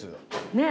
ねえ？